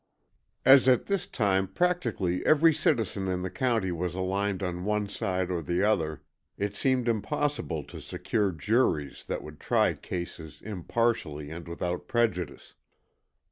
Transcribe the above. As at this time practically every citizen in the county was aligned on one side or the other, it seemed impossible to secure juries that would try cases impartially and without prejudice.